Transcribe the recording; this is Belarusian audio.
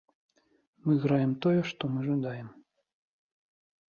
Мы граем тое, што мы жадаем.